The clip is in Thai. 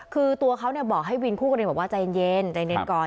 คือตัวเขาบอกให้วินคู่กันน๊อกว่าใจเย็น